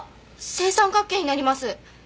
正三角形になります。